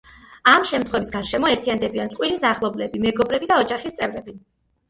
ამ შემთხვევის გარშემო ერთიანდებიან წყვილის ახლობლები, მეგობრები და ოჯახის წევრები.